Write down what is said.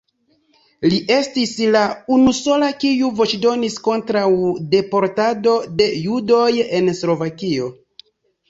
Li estis la unusola, kiu voĉdonis kontraŭ deportado de judoj en Slovakio.